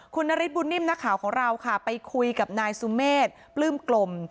คุณนฤทธบุญนิ่มนักข่าวของเราค่ะไปคุยกับนายสุเมฆปลื้มกลม